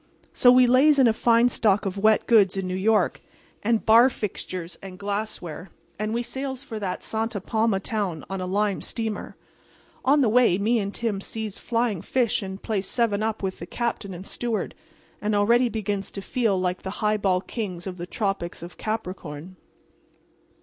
"So we lays in a fine stock of wet goods in New York, and bar fixtures and glassware, and we sails for that Santa Palma town on a lime steamer. On the way me and Tim sees flying fish and plays seven up with the captain and steward, and already begins to feel like the high ball kings of the tropics of Capricorn.